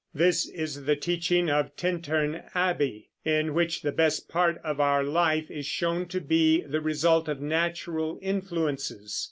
This is the teaching of "Tintern Abbey," in which the best part of our life is shown to be the result of natural influences.